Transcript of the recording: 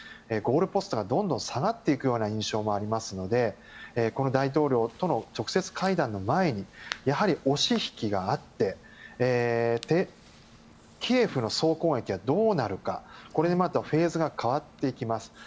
ゴールポストが、どんどん下がっていく印象もありますので大統領との直接会談の前に押し引きがあってキエフの総攻撃がどうなるかこれでまたフェーズが変わっていきます。